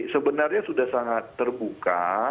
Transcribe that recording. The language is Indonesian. sebenarnya sudah sangat terbuka